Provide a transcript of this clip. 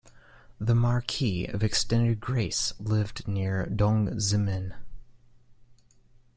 The Marquis of Extended Grace lived near Dongzhimen.